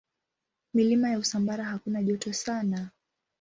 Milima ya Usambara hakuna joto sana.